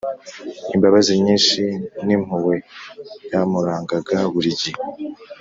imbabazi nyinshi n impuhwe byamurangaga buri gihe